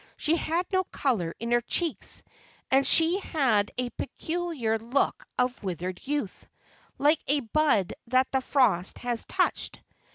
She had no color in her cheeks, and she had a peculiar look of withered youth, like a bud that the frost has touched.